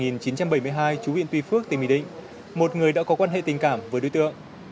năm một nghìn chín trăm bảy mươi hai chú viện tuy phước tỉnh bị định một người đã có quan hệ tình cảm với đối tượng